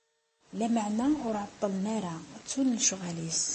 Lameɛna ur ɛeṭṭlen ara, ttun lecɣal-is.